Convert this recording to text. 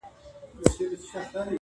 • خو هېڅ څوک د هغې غږ ته نه درېږي,